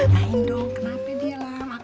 hai dong kenapa dia lama